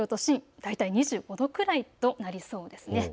大体２５度くらいとなりそうです。